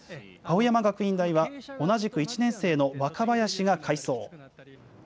青山学院大は同じく１年生の若林が快走。